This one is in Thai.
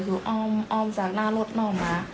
ซึ่งอ้อมอ้อมจากหน้ารถนั่วมะ